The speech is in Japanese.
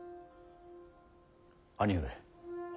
兄上。